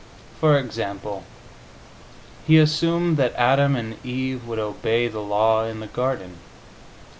For example, He assumed that Adam and Eve would obey the law in the Garden.